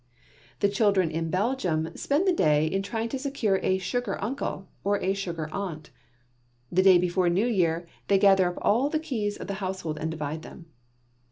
The children in Belgium spend the day in trying to secure a "sugar uncle" or a "sugar aunt." The day before New Year, they gather up all the keys of the household and divide them.